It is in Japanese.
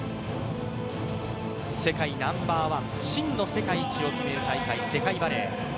世界ナンバーワン、真の世界一を決める世界バレー。